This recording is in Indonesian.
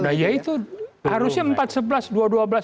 nah ya itu harusnya empat sebelas